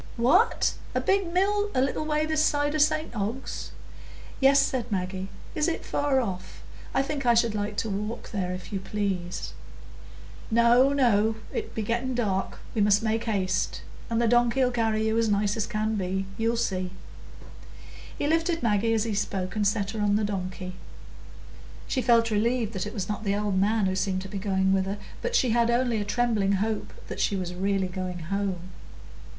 "What! a big mill a little way this side o' St Ogg's?" "Yes," said Maggie. "Is it far off? I think I should like to walk there, if you please." "No, no, it'll be getting dark, we must make haste. And the donkey'll carry you as nice as can be; you'll see." He lifted Maggie as he spoke, and set her on the donkey. She felt relieved that it was not the old man who seemed to be going with her, but she had only a trembling hope that she was really going home.